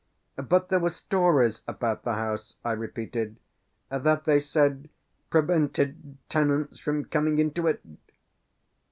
"But there were stories about the house," I repeated, "that they said, prevented tenants from coming into it?"